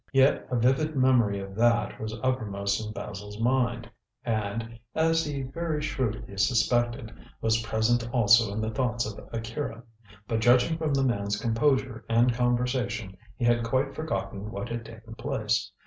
Yet a vivid memory of that was uppermost in Basil's mind, and as he very shrewdly suspected was present also in the thoughts of Akira. But judging from the man's composure and conversation he had quite forgotten what had taken place.